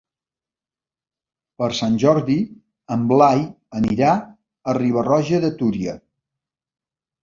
Per Sant Jordi en Blai anirà a Riba-roja de Túria.